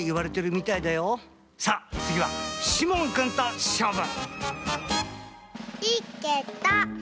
さあつぎはしもんくんとしょうぶ！